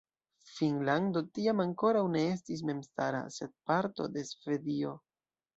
Finnlando tiam ankoraŭ ne estis memstara, sed parto de Svedio.